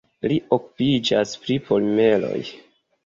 Li okupiĝas pri polimeroj.